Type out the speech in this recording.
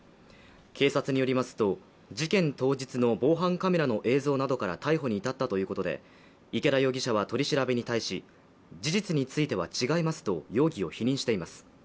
警察によりますと事件当日の防犯カメラの映像などから逮捕に至ったということで池田容疑者は取り調べに対し事実については違いますと容疑を否認しています。